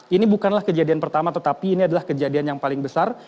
ini bukanlah kejadian pertama tetapi ini adalah kejadian yang paling besar